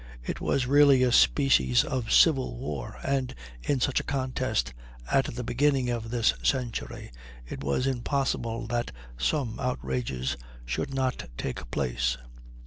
It was really a species of civil war, and in such a contest, at the beginning of this century, it was impossible that some outrages should not take place.